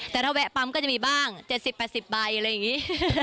แต่ถ้าแวะปั๊มก็จะมีบ้าง๗๐๘๐ใบอะไรอย่างนี้